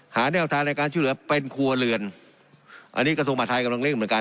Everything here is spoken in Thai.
แนวทางในการช่วยเหลือเป็นครัวเรือนอันนี้กระทรวงมหาทัยกำลังเร่งเหมือนกัน